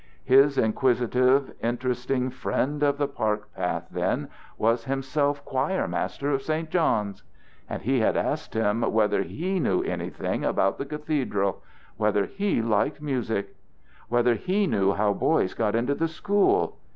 His inquisitive, interesting friend of the park path, then, was himself choir master of St. John's! And he had asked him whether he knew anything about the cathedral! Whether he liked music! Whether he knew how boys got into the school!